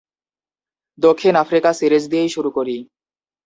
দক্ষিণ Africa series দিয়েই শুরু করি।